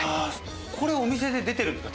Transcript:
これお店で出てるんですか？